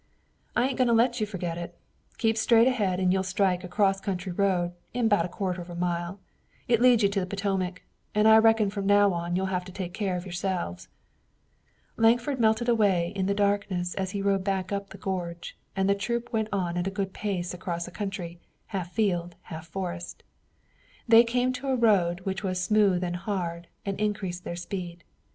"I ain't goin' to let you forget it. Keep straight ahead an' you'll strike a cross country road in 'bout a quarter of a mile. It leads you to the Potomac, an' I reckon from now on you'll have to take care of yourselves." Lankford melted away in the darkness as he rode back up the gorge, and the troop went on at a good pace across a country, half field, half forest. They came to a road which was smooth and hard, and increased their speed.